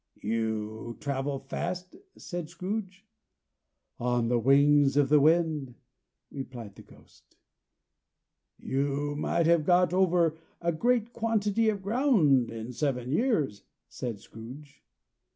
"You travel fast?" said Scrooge. "On the wings of the wind," replied the Ghost. "You might have got over a great quantity of ground in seven years," said Scrooge.